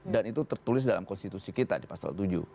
dan itu tertulis dalam konstitusi kita di pasal tujuh